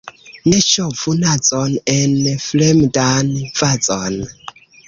Ne ŝovu nazon en fremdan vazon.